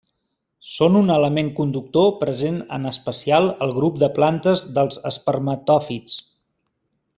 Són un element conductor present en especial al grup de plantes dels espermatòfits.